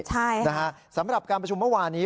ใช่นะฮะสำหรับการประชุมเมื่อวานนี้